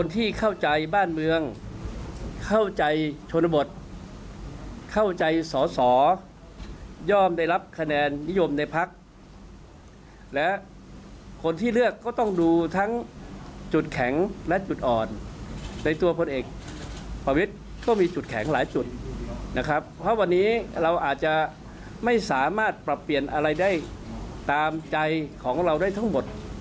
ตามใจของเราได้ทั้งหมดนะครับ